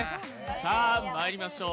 さあ、まいりましょう。